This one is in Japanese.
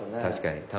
確かに。